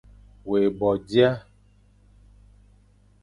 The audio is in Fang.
Wé bo dia,